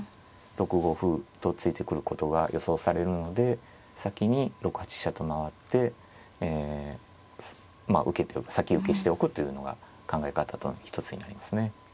６五歩と突いてくることが予想されるので先に６八飛車と回って受けておく先受けしておくというのが考え方の一つになりますね。